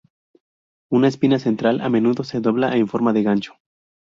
Una espina central a menudo se dobla en forma de gancho.